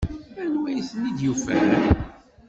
Anwa ay ten-id-yufan?